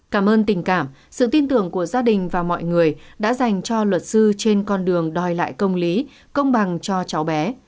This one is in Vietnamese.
cảm ơn tình cảm sự tin tưởng của gia đình và mọi người đã dành cho luật sư trên con đường đòi lại công lý công bằng cho cháu bé